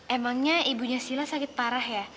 emangnya ibunya sila sakit parah ya